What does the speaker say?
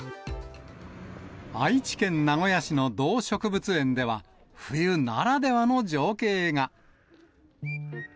愛知県名古屋市の動植物園では、冬ならではの情景が。